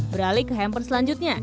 beralih ke hampers selanjutnya